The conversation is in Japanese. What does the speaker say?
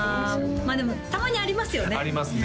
まあでもたまにありますよねありますね